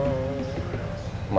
boleh ya kak